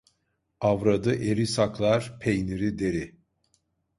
Avradı eri saklar, peyniri deri.